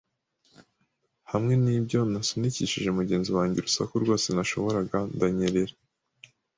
Hamwe nibyo, nasunikishije mugenzi wanjye urusaku rwose nashoboraga, ndanyerera